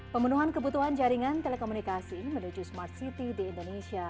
pemenuhan kebutuhan jaringan telekomunikasi menuju smart city di indonesia